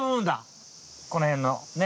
この辺のねっ？